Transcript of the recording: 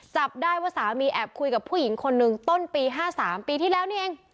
จับได้ว่าสามีแอบคุยกับผู้หญิงคนหนึ่งต้นปี๕๓ปีที่แล้วนี่เอง